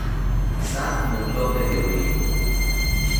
سخت معتاد به هروئین